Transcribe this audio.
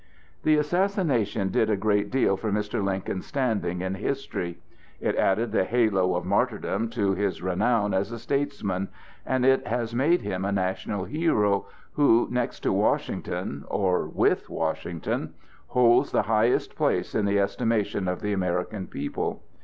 The assassination did a great deal for Mr. Lincoln's standing in history. It added the halo of martyrdom to his renown as a statesman, and it has made him a national hero, who, next to Washington—or with Washington—holds the highest place in the estimation of the American people.